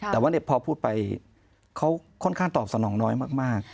แต่ว่าพอพูดไปเขาค่อนข้างตอบสนองน้อยมาก